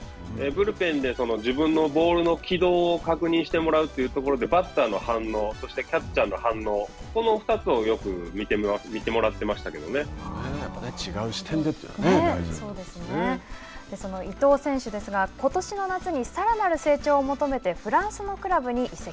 ブルペンで自分のボールの軌道を確認してもらうというところで、バッターの反応、そして、キャッチャーの反応、この２つをよく見てもらっていまやっぱり違う視点でというのは伊東選手ですがことしの夏に、さらなる成長を求めてフランスのクラブに移籍。